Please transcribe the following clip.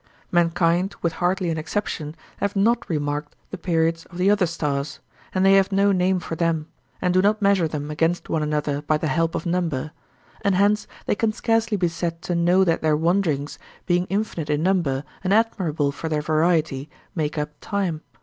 Mankind, with hardly an exception, have not remarked the periods of the other stars, and they have no name for them, and do not measure them against one another by the help of number, and hence they can scarcely be said to know that their wanderings, being infinite in number and admirable for their variety, make up time.